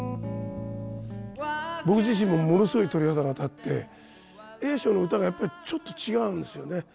僕自身もものすごい鳥肌が立って栄昇の歌がやっぱりちょっと違うんですよね